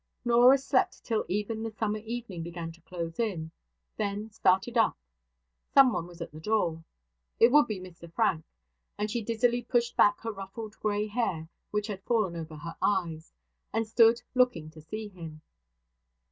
Norah slept till even the summer evening began to close in, Then started up. Someone was at the door. It would be Mr Frank; and she dizzily pushed back her ruffled grey hair which had fallen over her eyes, and stood looking to see him.